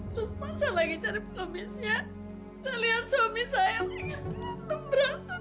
terus pas saya lagi cari pengemisnya saya lihat suami saya lingat menuntut berantut